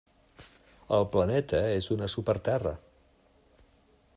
El planeta és una súper-Terra.